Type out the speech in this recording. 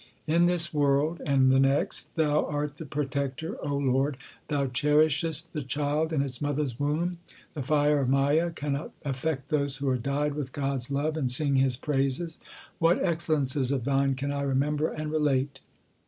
In this world and the next Thou art the Protector, Lord ; Thou cherishest the child in its mother s womb. The fire of Maya cannot affect those who are dyed with God s love and sing His praises. What excellences of Thine can I remember and relate